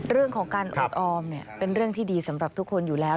เรื่องของการโอดออมเป็นเรื่องที่ดีสำหรับทุกคนอยู่แล้ว